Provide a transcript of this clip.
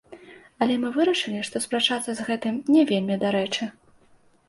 Але мы вырашылі, што спрачацца з гэтым не вельмі дарэчы.